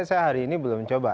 saya hari ini belum coba